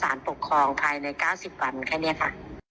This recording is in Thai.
ภากภองภายในเก้า๑๐วันไอ้เนี้ยคะ